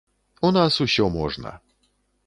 У нас усё можна.